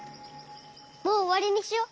もうおわりにしよう。